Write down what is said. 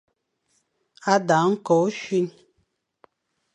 A dang nkok, ochuin.